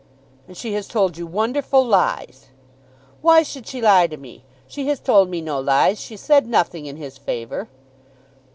"And she has told you wonderful lies." "Why should she lie to me? She has told me no lies. She said nothing in his favour."